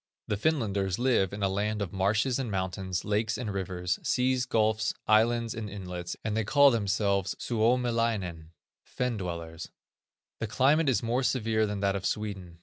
The Finlanders live in a land of marshes and mountains, lakes and rivers, seas, gulfs, islands, and inlets, and they call themselves Suomilainen, Fen dwellers. The climate is more severe than that of Sweden.